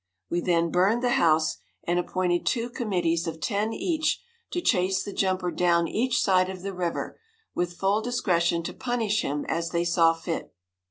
We then burned the house, and appointed two committees of ten each to chase the jumper down each side of the river, with full discretion to punish him as they saw fit.